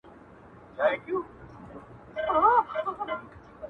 بس حمزه خبره غوڅه کړې